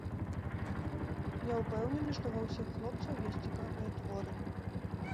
Я ўпэўнены, што ва ўсіх хлопцаў ёсць цікавыя творы.